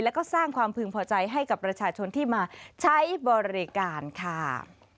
แล้วก็สร้างความพึงพอใจให้กับประชาชนที่มาใช้บริการค่ะ